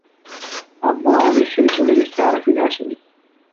আব্বু আমাদের ছেড়ে চলে গেছে আর ফিরে আসেনি।